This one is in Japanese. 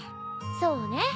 そうね。